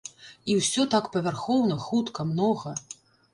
І ўсё так павярхоўна, хутка, многа.